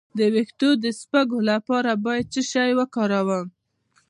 د ویښتو د شپږو لپاره باید څه شی وکاروم؟